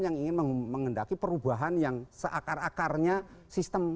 yang ingin menghendaki perubahan yang seakar akarnya sistem